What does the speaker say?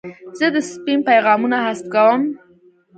زه د سپیم پیغامونه حذف کوم.